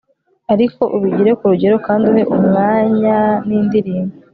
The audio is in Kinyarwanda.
ariko ubigire ku rugero, kandi uhe umwanya n'indirimbo